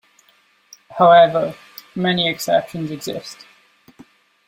However, many exceptions exist.